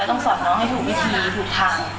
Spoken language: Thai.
ต้องสอนน้องให้ถูกวิธีถูกทาง